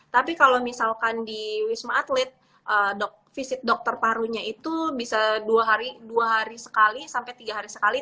tapi kalau misalkan di wisma atlet visit dokter parunya itu bisa dua hari sekali sampai tiga hari sekali